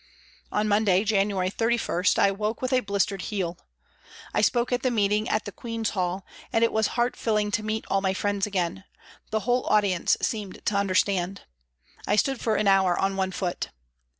On Monday, January 31, I woke with a blistered heel. I spoke at the meeting at the Queen's Hall, and it was heart filling to meet all my friends again ; the whole audience seemed to understand. I stood for an hour on one foot.